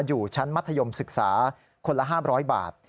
อยู่ชั้นมัธยมศึกษาคนละ๕๐๐บาท